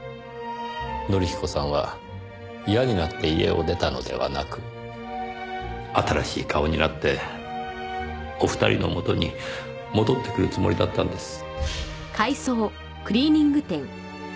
則彦さんは嫌になって家を出たのではなく新しい顔になってお二人のもとに戻ってくるつもりだったんです。